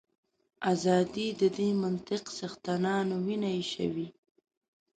ازادي د دې منطق څښتنانو وینه ایشوي.